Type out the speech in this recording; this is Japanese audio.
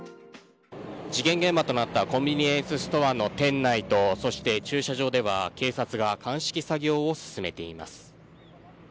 事件現場となったコンビニエンスストアの店内とそして、駐車場では警察が鑑識作業を進めています。